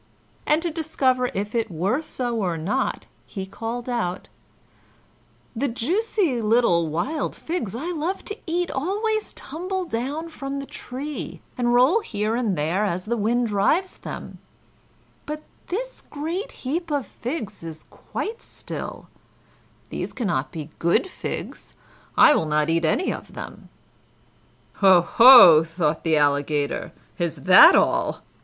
And to discover if it were so or not, he called out: "The juicy little wild figs I love to eat always tumble down from the tree, and roll here and there as the wind drives them; but this great heap of figs is quite still; these cannot be good figs; I will not eat any of them." "Ho, ho!" thought the Alligator, "is that all?